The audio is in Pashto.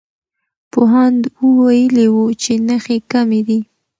پوهاند ویلي وو چې نښې کمي دي.